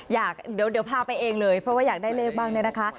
อยากเดี๋ยวพาไปเองเลยเพราะว่าอยากได้เลขบ้างเนี่ยนะคะ